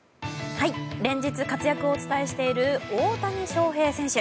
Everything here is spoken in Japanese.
連日活躍をお伝えしている大谷翔平選手。